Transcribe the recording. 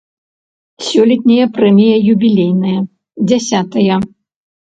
Сёлетняя прэмія юбілейная, дзясятая.